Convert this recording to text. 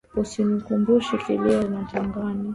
Usinikumbushe kilio matangani